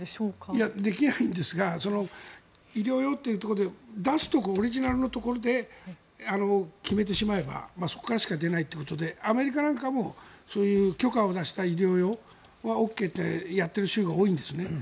いや、できないんですが医療用というところで出すところオリジナルのところで決めてしまえばそこからしか出ないということでアメリカなんかもそういう許可を出した医療用はＯＫとやっている州が多いんですね。